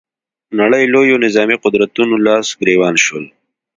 نړۍ لویو نظامي قدرتونو لاس ګرېوان شول